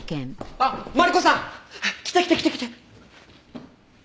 あっマリコさん！来て来て来て来て！